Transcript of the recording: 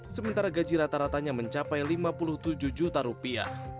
sementara gaji rata ratanya mencapai lima puluh tujuh juta rupiah